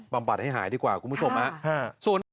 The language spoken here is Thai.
ปรับปรับให้หายดีกว่าคุณผู้ชมอ่ะส่วน